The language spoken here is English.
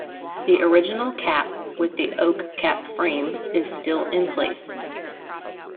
The original cap with the oak cap frame is still in place.